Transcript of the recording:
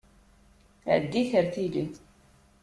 Ɛeddim ar tili!